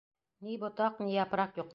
Ни ботаҡ, ни япраҡ юҡ!